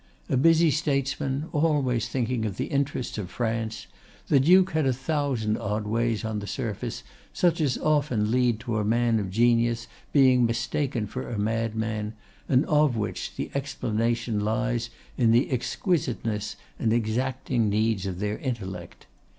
A busy statesman, always thinking of the interests of France, the Duke had a thousand odd ways on the surface, such as often lead to a man of genius being mistaken for a madman, and of which the explanation lies in the exquisiteness and exacting needs of their intellect.